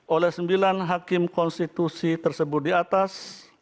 oleh sembilan hakim konstitusi tersebut di atas